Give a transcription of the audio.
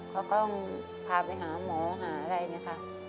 เขาต้องพาไปหาหมอหาอะไรเนี่ยค่ะ